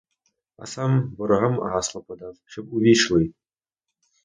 А сам ворогам гасло подав, щоб увійшли.